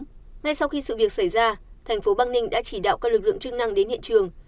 ngay sau khi sự việc xảy ra thành phố bắc ninh đã chỉ đạo các lực lượng chức năng đến hiện trường